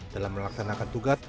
dalam melaksanakan tugas